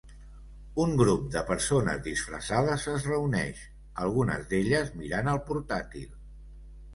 Un grup de persones disfressades es reuneix, algunes d'elles mirant el portàtil.